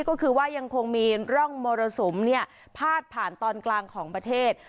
ก็คือว่ายังคงมีร่องมรสุมพาดผ่านตอนกลางของประเทศ